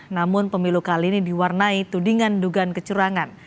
namun pemilu kali ini diwarnai tudingan dugaan kecurangan